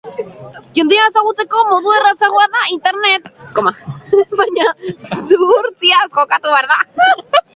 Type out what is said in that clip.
Jendea ezagutzeko modu errazagoa da internet, baina zuhurtziaz jokatu behar da.